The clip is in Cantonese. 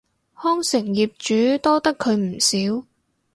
康城業主多得佢唔少